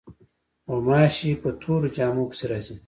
غوماشې په تورو جامو پسې راځي.